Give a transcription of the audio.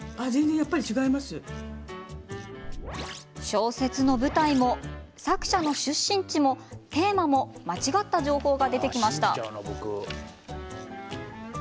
小説の舞台も、作者の出身地もテーマも間違った情報が出てきました。